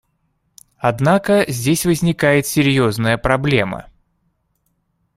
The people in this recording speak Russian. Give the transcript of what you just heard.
Однако здесь возникает серьезная проблема.